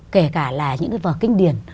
kể cả là những cái vở kinh điển